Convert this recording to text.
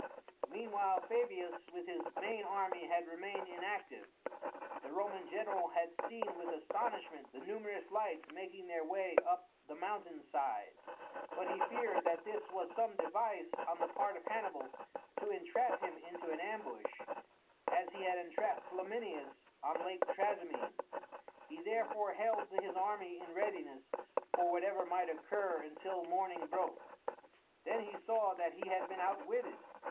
Meanwhile Fabius with his main army had remained inactive. The Roman general had seen with astonishment the numerous lights making their way up the mountain side, but he feared that this was some device on the part of Hannibal to entrap him into an ambush, as he had entrapped Flaminius on Lake Trasimene. He therefore held his army in readiness for whatever might occur until morning broke. Then he saw that he had been outwitted.